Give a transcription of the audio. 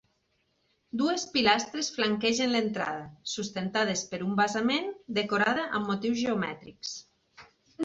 Dues pilastres flanquegen l'entrada, sustentades per un basament, decorada amb motius geomètrics.